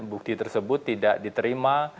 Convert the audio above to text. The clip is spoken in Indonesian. bukti tersebut tidak diterima